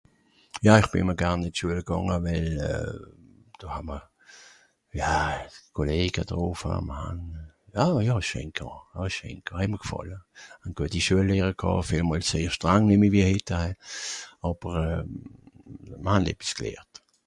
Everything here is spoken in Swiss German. Ja ìch bì ìmmer garn in d Schuel gànge wäil euh do ha m'r, ja, Kollege troffe, mr han, ja ja, scheen gwa, ja scheen gwa, het mr gfàlle, gueti Schuellehrer ghà, vielmol sehr strangeri wie hitt hein àber mr han ebs gelehrt